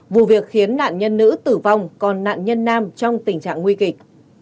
vụ việc khiến nạn nhân nữ tử vong còn nạn nhân nam trong tình trạng nguy kịch